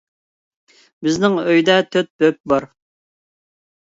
بىزنىڭ ئۆيدە تۆت بۆك بار.